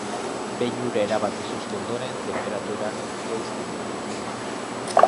Behin ura erabat izoztu ondoren, tenperaturak jaisten jarraitu du.